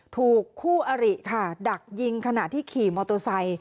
ถูกคู่อริค่ะดักยิงขณะที่ขี่มอโตซัย